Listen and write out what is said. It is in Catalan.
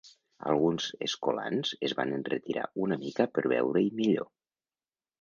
Alguns escolans es van enretirar una mica per veure-hi millor.